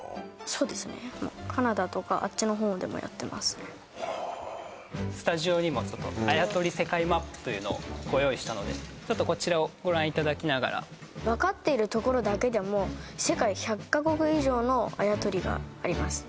そうですねカナダとかあっちの方でもやってますねはあスタジオにもちょっとあやとり世界マップというのをご用意したのでちょっとこちらをご覧いただきながら分かっているところだけでも世界１００カ国以上のあやとりがありますね